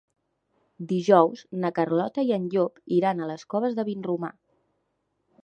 Dijous na Carlota i en Llop iran a les Coves de Vinromà.